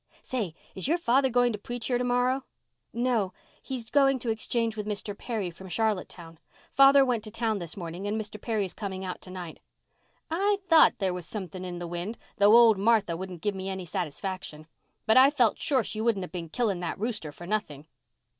Say, is your father going to preach here to morrow?" "No. He's going to exchange with Mr. Perry from Charlottetown. Father went to town this morning and Mr. Perry is coming out to night." "I thought there was something in the wind, though old Martha wouldn't give me any satisfaction. But I felt sure she wouldn't have been killing that rooster for nothing."